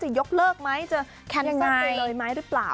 จะยกเลิกไหมจะยังไงจะยังสร้างตัวเองเลยไหมหรือเปล่า